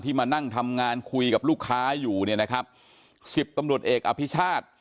ที่มานั่งทำงานคุยกับลูกค้าอยู่นะครับ๑๐ตำรวจเอกอภิษฐา